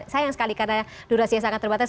sayang sekali karena durasi yang sangat terbatas